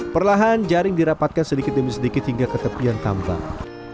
perlahan jaring dirapatkan sedikit demi sedikit hingga ke tepian tambang